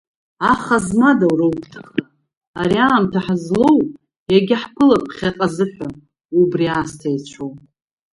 Аха змада уара угәҭыха, ари аамҭа ҳазлоу, иагьа ҳԥылап ԥхьаҟазыҳәа, убри аасҭа еицәоу!